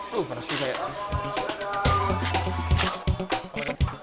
tuh panas juga ya